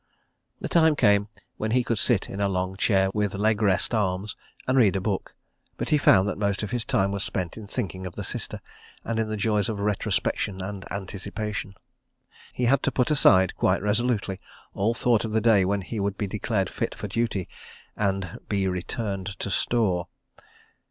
The time came when he could sit in a long chair with leg rest arms, and read a book; but he found that most of his time was spent in thinking of the Sister and in the joys of retrospection and anticipation. He had to put aside, quite resolutely, all thought of the day when he would be declared fit for duty and be "returned to store."